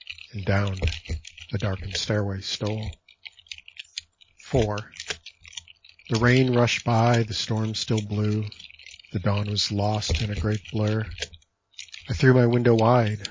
And down the darkened stairway stole. A BALLAD k IV The rain rushed by ; the storm still blew, The dawn was lost in a great blur; I threw my window wide.